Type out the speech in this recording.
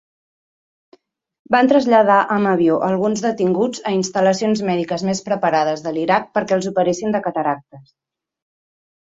Van traslladar amb avió alguns detinguts a instal·lacions mèdiques més preparades de l'Iraq perquè els operessin de cataractes.